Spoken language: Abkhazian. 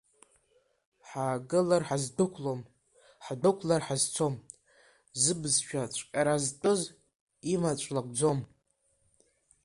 Ҳаагылар ҳаздәықәлом, ҳдәықәлар ҳазцом, зыбызшәа цәҟьаразтәыз имаҵә лаҟәӡом.